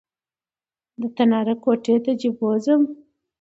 د تناره کوټې ته دې بوځم